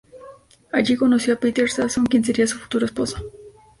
Allí conoció a Peter Sasson, quien sería su futuro esposo.